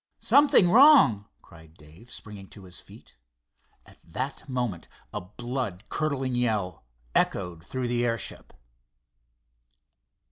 "Something wrong!" cried Dave, springing to his feet. At that moment a blood curdling yell echoed through the airship.